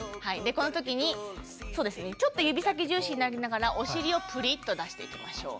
このときに指先重心になりながらお尻をプリッと出していきましょう。